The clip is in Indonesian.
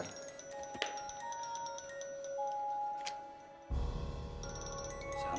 tante maaf sebentar